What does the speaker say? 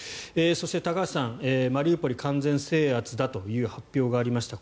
そして、高橋さんマリウポリ完全制圧だという発表がありました。